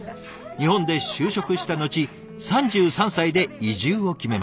日本で就職した後３３歳で移住を決めました。